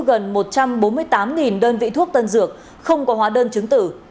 gần một trăm bốn mươi tám đơn vị thuốc tân dược không có hóa đơn chứng tử